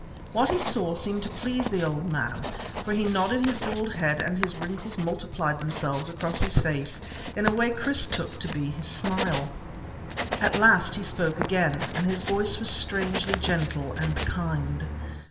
What he saw seemed to please the old man for he nodded his bald head and his wrinkles multiplied themselves across his face in a way Chris took to be his smile. At last he spoke again, and his voice was strangely gentle and kind.